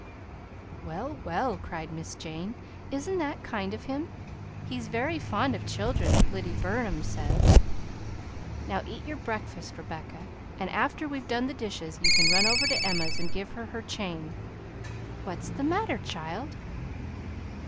"Well, well!" cried Miss Jane, "isn't that kind of him? He's very fond of children, Lyddy Burnham says. Now eat your breakfast, Rebecca, and after we've done the dishes you can run over to Emma's and give her her chain What's the matter, child?"